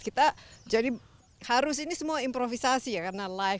kita jadi harus ini semua improvisasi ya karena live